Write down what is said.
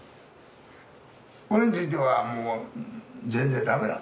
これについてはもう全然だめだと。